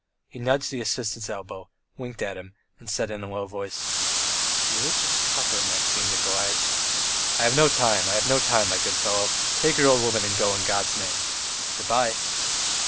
He nudged the assistant's elbow, winked at him, and said in a low voice: "If you would just cup her, Maxim Nikolaitch." "I have no time, I have no time, my good fellow. Take your old woman and go in God's name. Goodbye."